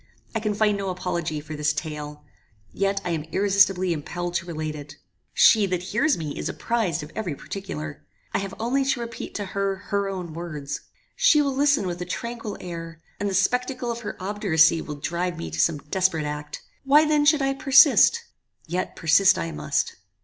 I can find no apology for this tale. Yet I am irresistibly impelled to relate it. She that hears me is apprized of every particular. I have only to repeat to her her own words. She will listen with a tranquil air, and the spectacle of her obduracy will drive me to some desperate act. Why then should I persist! yet persist I must."